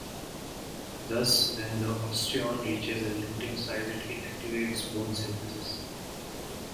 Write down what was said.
Thus, when the osteon reaches a limiting size, it inactivates bone synthesis.